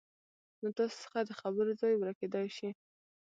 نو تاسې څخه د خبرو ځای ورکېدای شي